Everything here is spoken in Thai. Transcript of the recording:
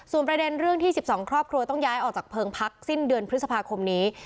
ประเด็นเรื่องที่๑๒ครอบครัวต้องย้ายออกจากเพิงพักสิ้นเดือนพฤษภาคมนี้